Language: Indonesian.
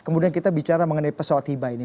kemudian kita bicara mengenai pesawat hibah ini